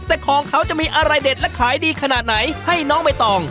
แต่ของเขาจะมีอะไรเด็ดและขายดีขนาดไหนให้น้องใบตอง